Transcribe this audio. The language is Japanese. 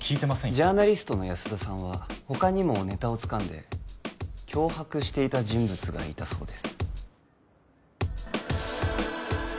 ジャーナリストの安田さんは他にもネタをつかんで脅迫していた人物がいたそうです